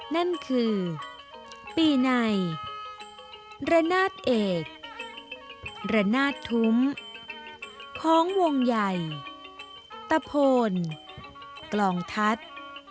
นั่นคือปีในระนาดเอกระนาดทุ้มของวงใหญ่ตะโพนกลองทัศน์